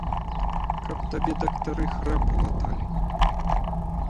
Каб табе дактары храпу латалі!